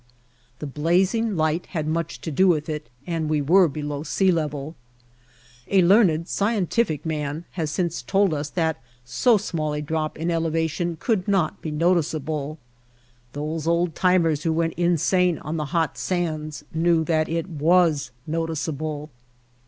The blazing light had much to do with it, and we were below sea level. A learned, White Heart of Mojave scientific man has since told us that so small a drop in elevation could not be noticeable. Those old timers who went insane on the hot sands knew that it was noticeable.